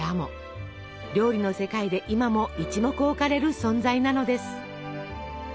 料理の世界で今も一目置かれる存在なのです。